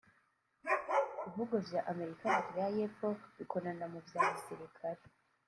Ibihugu vya Amerika na Korea Yepfo bikorana mu vya gisirikare